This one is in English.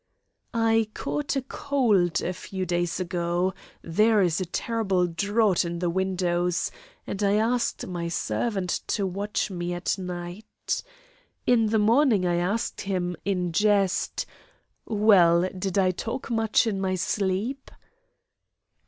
I caught a cold a few days ago there is a terrible draught in their windows and I asked my servant to watch me at night. In the morning I asked him, in jest: "Well, did I talk much in my sleep?"